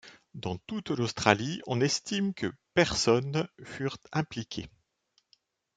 Dans toute l'Australie, on estime que personnes furent impliquées.